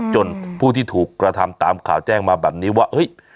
จนผู้ที่ถูกกระทำตามข่าวแจ้งมาแบบนี้ว่าเฮ้ย